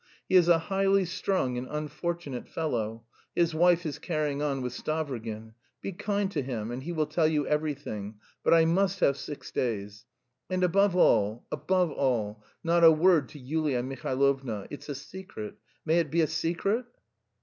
He is a highly strung and unfortunate fellow; his wife is carrying on with Stavrogin. Be kind to him and he will tell you everything, but I must have six days.... And, above all, above all, not a word to Yulia Mihailovna. It's a secret. May it be a secret?"